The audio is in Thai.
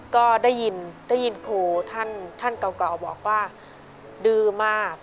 ก็ได้ยินได้ยินครูท่านเก่าบอกว่าดื้อมาก